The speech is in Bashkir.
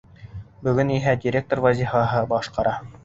Бөгөн иһә директор вазифаһын башҡара.